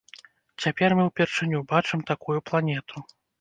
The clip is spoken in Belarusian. Цяпер мы ўпершыню бачым такую планету.